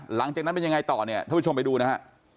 หลังจากนั้นเป็นยังไงต่อเนี่ยท่านผู้ชมไปดูนะฮะ